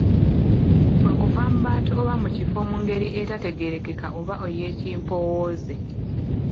Kwe kuva mu bantu oba mu kifo mu ngeri etategeerekeka oba ey’ekimpoowooze.